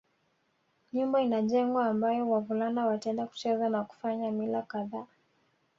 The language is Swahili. Nyumba inajengwa ambayo wavulana wataenda kucheza na kufanya mila kadhaa